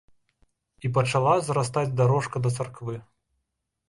І пачала зарастаць дарожка да царквы.